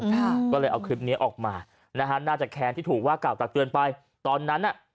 ค่ะก็เลยเอาคลิปเนี้ยออกมานะฮะน่าจะแค้นที่ถูกว่ากล่าวตักเตือนไปตอนนั้นอ่ะ